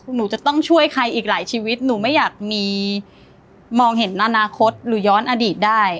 หนูจะต้องช่วยใครอีกหลายชีวิตหนูไม่อยากมีมองเห็นอนาคตหรือย้อนอดีตได้